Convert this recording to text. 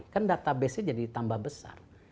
kan database nya jadi tambah besar